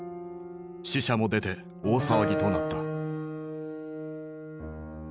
死者も出て大騒ぎとなった。